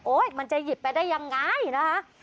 มันจะหยิบไปได้ยังไงนะคะ